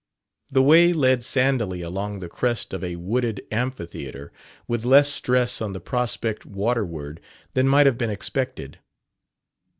The way led sandily along the crest of a wooded amphitheatre, with less stress on the prospect waterward than might have been expected.